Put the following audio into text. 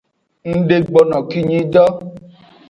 Ngdegbono no kinyi do.